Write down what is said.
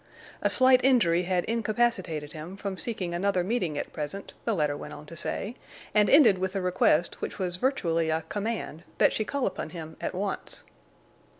A slight injury had incapacitated him from seeking another meeting at present, the letter went on to say, and ended with a request which was virtually a command, that she call upon him at once.